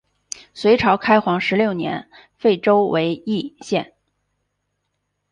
隋朝开皇十六年废州为易县。